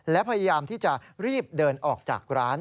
และพยายามที่จะรีบเดินออกจากร้าน